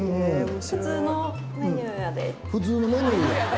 普通のメニューや。